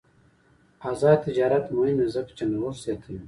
آزاد تجارت مهم دی ځکه چې نوښت زیاتوي.